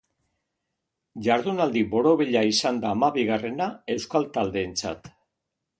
Jardunaldi borobila izan da hamabigarrena euskal taldeentzat.